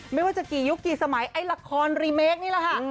ไม่ว่าจะกี่ยุคกี่สมัยไอ้ละครรีเมคนี่แหละค่ะ